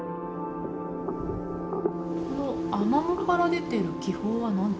このアマモから出てる気泡は何ですか？